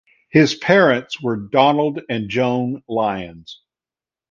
His parents were Donald and Joan Lyons.